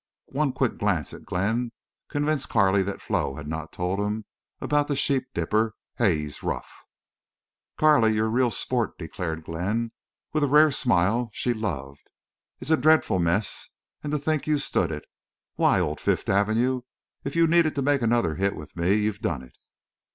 One quick glance at Glenn convinced Carley that Flo had not yet told him about the sheep dipper, Haze Ruff. "Carley, you're a real sport," declared Glenn, with the rare smile she loved. "It's a dreadful mess. And to think you stood it!... Why, old Fifth Avenue, if you needed to make another hit with me you've done it!"